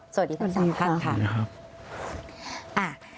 สวัสดีครับ